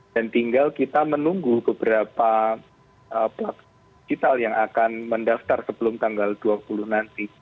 dan tinggal kita menunggu beberapa platform digital yang akan mendaftar sebelum tanggal dua puluh nanti